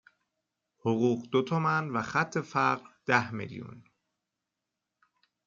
حقوق دو تومن و خط فقر ده میلیون